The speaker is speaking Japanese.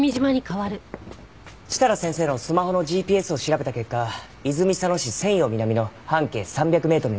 設楽先生のスマホのＧＰＳを調べた結果泉佐野市泉陽南の半径３００メートルに絞れました。